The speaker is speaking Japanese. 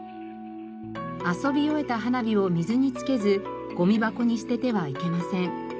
遊び終えた花火を水につけずゴミ箱に捨ててはいけません。